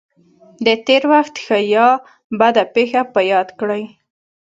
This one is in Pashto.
د تېر وخت ښه یا بده پېښه په یاد کړئ.